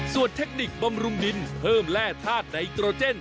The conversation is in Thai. ส่วนเทคนิคบำรุงดินเพิ่มแร่ธาตุไดโตรเจน